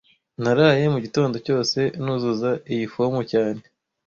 Naraye mugitondo cyose nuzuza iyi fomu cyane